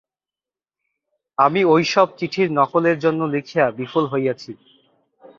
আমি ঐ সব চিঠির নকলের জন্য লিখিয়া বিফল হইয়াছি।